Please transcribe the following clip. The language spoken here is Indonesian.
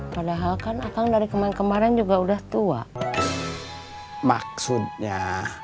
padahal kan akang dari kemarin kemarin juga udah tua